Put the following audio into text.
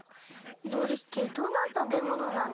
のりってどんなたべものなんですか？